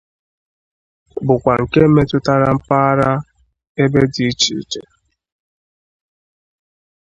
bụkwa nke metụtara mpaghara ebe dị iche iche